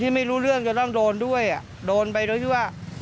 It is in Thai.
ไม่รู้เรื่องจะต้องโดนด้วยโดนไปโดยที่ว่า